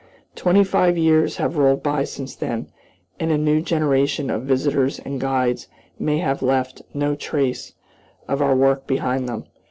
Twenty five years have rolled by since then, and a new generation of visitors and guides may have left no trace of our work behind them.